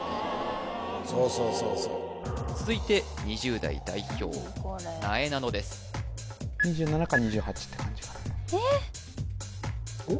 そうそうそうそう続いて２０代代表なえなのです２７か２８えっ？